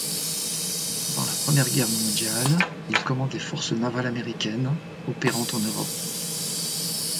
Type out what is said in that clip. Pendant la Première Guerre mondiale, il commande les forces navales américaines opérant en Europe.